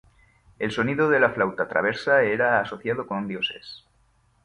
El sonido de la flauta traversa era asociado con dioses.